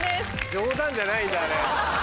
冗談じゃないんだあれ。